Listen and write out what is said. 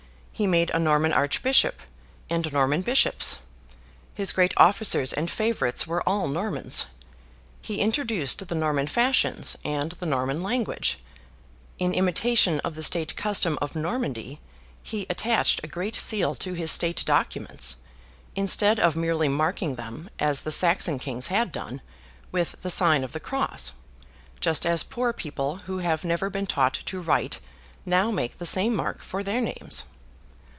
He made a Norman Archbishop, and Norman Bishops; his great officers and favourites were all Normans; he introduced the Norman fashions and the Norman language; in imitation of the state custom of Normandy, he attached a great seal to his state documents, instead of merely marking them, as the Saxon Kings had done, with the sign of the cross—just as poor people who have never been taught to write, now make the same mark for their names.